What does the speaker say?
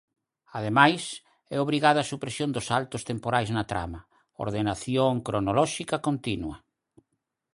Ademais, é obrigada a supresión dos saltos temporais na trama: ordenación cronolóxica continua.